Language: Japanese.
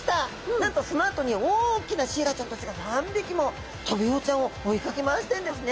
なんとそのあとに大きなシイラちゃんたちが何匹もトビウオちゃんを追いかけ回してるんですね！